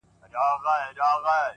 هوښیار انتخاب د سبا بار سپکوي.!